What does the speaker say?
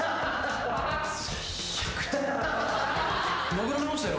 投げられましたよ